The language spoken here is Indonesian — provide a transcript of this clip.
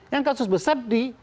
yang kasus besar di